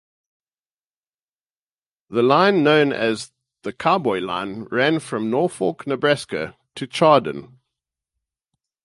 The line, known as the "Cowboy Line", ran from Norfolk, Nebraska to Chadron.